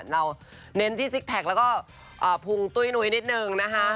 เน้นที่ซิกแพคแล้วก็พุงตุ้ยนุ้ยนิดนึงนะคะ